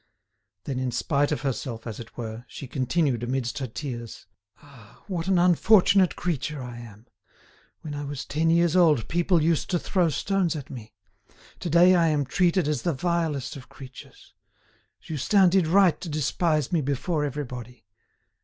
Then in spite of herself, as it were, she continued amidst her tears: "Ah! what an unfortunate creature I am! When I was ten years old people used to throw stones at me. To day I am treated as the vilest of creatures. Justin did right to despise me before everybody.